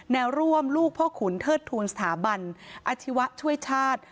แนวร่วมลูกพ่อขุนเทิดทูลสถาบันอาชีวะช่วยชาติ